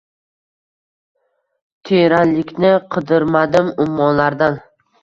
Teranlikni qidirmadim ummonlardan